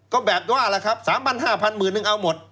ก็แบบว่าล่ะครับ๓๕๐๐บาทมือหนึ่งเอาหมด